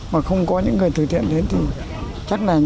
mà không có những người thực hiện thế thì chắc là